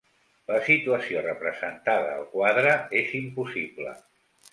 La situació representada al quadre és impossible.